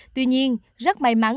tuy nhiên rất may mắn